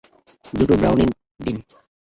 দুটো ব্রাউনি দিন।